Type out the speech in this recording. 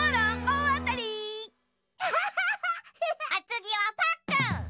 おつぎはパックン！